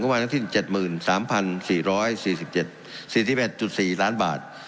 วันนั้นที่๗๓๔๔๗๔๑๔ล้านบาท